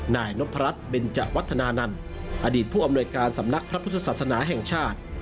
นายนพรัชเบนจวัฒนานันต์อดีตผู้อำนวยการสำนักพระพุทธศาสนาแห่งชาติ